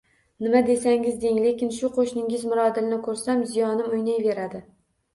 Nima desangiz, deng, lekin shu qo`shningiz Mirodilni ko`rsam ziyonim o`ynayveradi